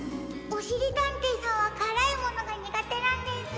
おしりたんていさんはからいものがにがてなんです。